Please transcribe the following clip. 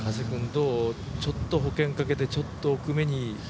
ちょっと保険かけてちょっと奥目に。